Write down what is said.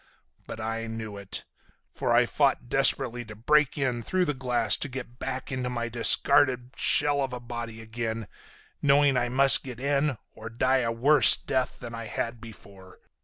But I knew it. For I fought desperately to break in through the glass to get back into my discarded shell of a body again, knowing I must get in or die a worse death than I had before.